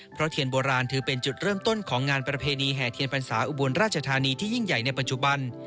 เพราะเทียนโบราณถือเป็นจุดเริ่มต้นของงานประเพณีแห่เทียนพรรษาอุบลราชธานีที่ยิ่งใหญ่ในปัจจุบัน